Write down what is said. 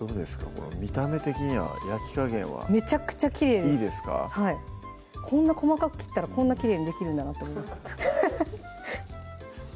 この見た目的には焼き加減はめちゃくちゃきれいですいいですかこんな細かく切ったらこんなきれいにできるんだなと思いました